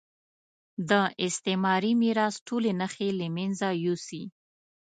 د استعماري میراث ټولې نښې له مېنځه یوسي.